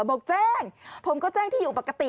บอกแจ้งผมก็แจ้งที่อยู่ปกติ